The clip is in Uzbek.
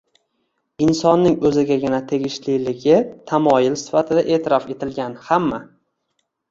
insonning o‘zigagina tegishliligi tamoyil sifatida e’tirof etilgan hamma